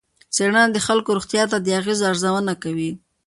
څېړنه د خلکو روغتیا ته د اغېزو ارزونه کوي.